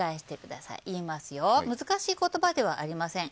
難しい言葉ではありません。